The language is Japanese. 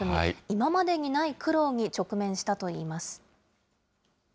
今までにない苦労に直面したといいます。